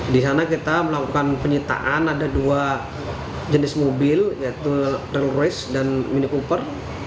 di sana kita melakukan penyitaan ada dua jenis mobil yaitu roll royce dan minikuper